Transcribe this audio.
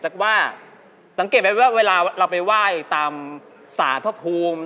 ว่าสังเกตไหมว่าเวลาเราไปไหว้ตามสารพระภูมิ